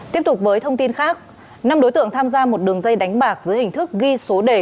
tiếp tục với thông tin khác năm đối tượng tham gia một đường dây đánh bạc dưới hình thức ghi số đề